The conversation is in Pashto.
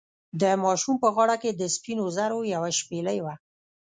د ماشوم په غاړه کې د سپینو زرو یوه شپیلۍ وه.